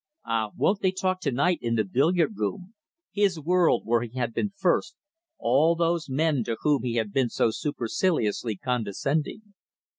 Ah! Won't they talk to night in the billiard room his world, where he had been first all those men to whom he had been so superciliously condescending.